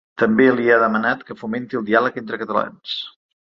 També li ha demanat que fomenti el diàleg entre catalans.